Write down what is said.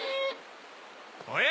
おや？